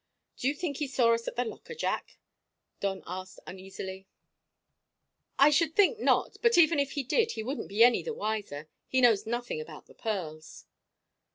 "Do you think he saw us at the locker, Jack?" Don asked uneasily. "I should think not. But even if he did he wouldn't be any the wiser. He knows nothing about the pearls."